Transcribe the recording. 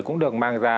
cũng được mang ra